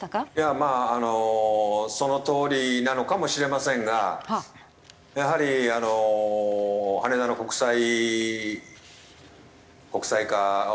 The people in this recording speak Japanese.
まああのそのとおりなのかもしれませんがやはりあの羽田の国際化。